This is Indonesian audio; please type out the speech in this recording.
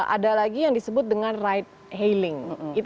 ada lagi yang disebut dengan ride hailing